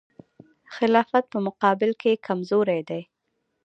خلافت په مقابل کې کمزوری دی.